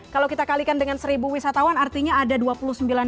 kalau kita kalikan dengan seribu wisatawan artinya ada dua puluh sembilan orang